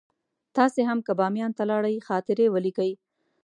تاسې هم که بامیان ته لاړئ خاطرې ولیکئ.